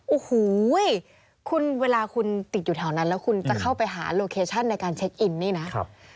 โอ้โหคุณเวลาคุณติดอยู่แถวนั้นแล้วคุณจะเข้าไปหาโลเคชั่นในการเช็คอินนี่นะ